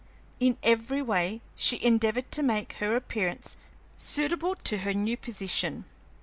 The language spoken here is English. In every way she endeavored to make her appearance suitable to her new position.